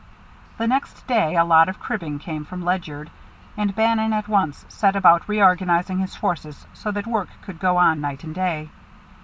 The next day a lot of cribbing came from Ledyard, and Bannon at once set about reorganizing his forces so that work could go on night and day.